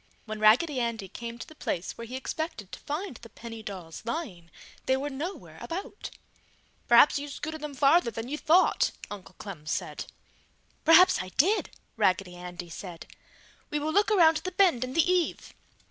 When Raggedy Andy came to the place where he expected to find the penny dolls lying, they were nowhere about. "Perhaps you scooted them farther than you thought!" Uncle Clem said. "Perhaps I did!" Raggedy Andy said, "We will look around the bend in the eave!"